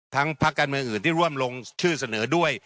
พักการเมืองอื่นที่ร่วมลงชื่อเสนอด้วย